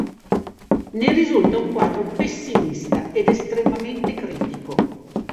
Ne risulta un quadro pessimista ed estremamente critico.